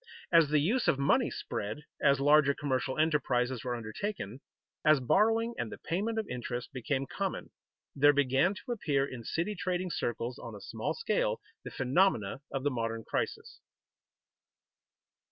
As the use of money spread, as larger commercial enterprises were undertaken, as borrowing and the payment of interest became common, there began to appear in city trading circles, on a small scale, the phenomena of the modern crisis.